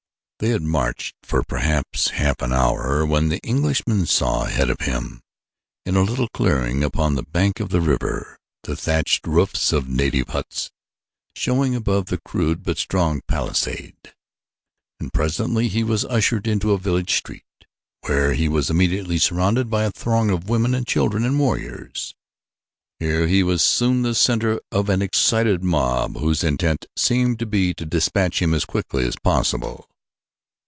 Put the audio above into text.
They had marched for perhaps half an hour when the Englishman saw ahead of them, in a little clearing upon the bank of the river, the thatched roofs of native huts showing above a crude but strong palisade; and presently he was ushered into a village street where he was immediately surrounded by a throng of women and children and warriors. Here he was soon the center of an excited mob whose intent seemed to be to dispatch him as quickly as possible.